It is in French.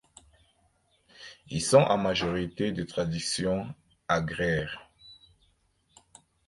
Ils sont en majorité de tradition agraire.